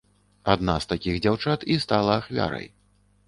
Адна з такіх дзяўчат і стала ахвярай.